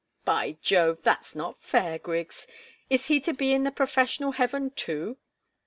"By Jove! that's not fair, Griggs! Is he to be in the professional heaven, too?"